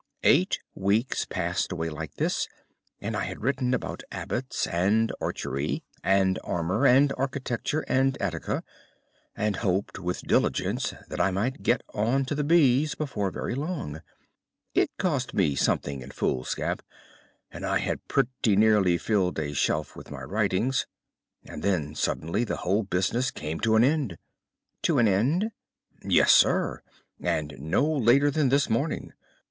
"Eight weeks passed away like this, and I had written about Abbots and Archery and Armour and Architecture and Attica, and hoped with diligence that I might get on to the B's before very long. It cost me something in foolscap, and I had pretty nearly filled a shelf with my writings. And then suddenly the whole business came to an end." "To an end?" "Yes, sir. And no later than this morning.